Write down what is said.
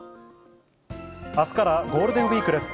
あすからゴールデンウィークです。